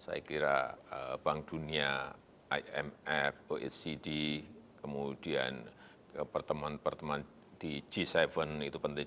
saya kira bank dunia imf oecd kemudian pertemuan pertemuan di g tujuh itu penting